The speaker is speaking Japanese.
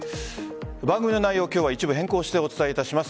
番組の内容を今日は一部変更してお伝えいたします。